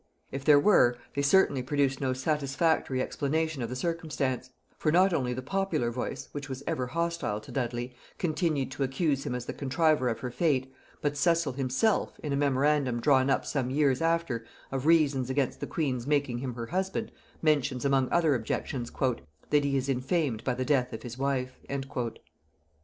If there were, they certainly produced no satisfactory explanation of the circumstance; for not only the popular voice, which was ever hostile to Dudley, continued to accuse him as the contriver of her fate, but Cecil himself, in a memorandum drawn up some years after of reasons against the queen's making him her husband, mentions among other objections, "that he is infamed by the death of his wife."